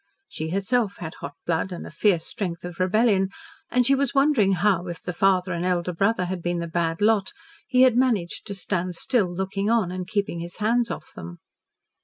She herself had hot blood and a fierce strength of rebellion, and she was wondering how, if the father and elder brother had been the "bad lot," he had managed to stand still, looking on, and keeping his hands off them.